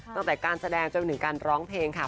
ตั้งแต่การแสดงจนถึงการร้องเพลงค่ะ